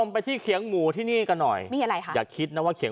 ไปที่เขียงหมูที่นี่กันหน่อย